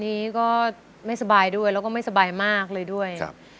มีก็ไม่สบายและไม่สบายมากเลยด้วย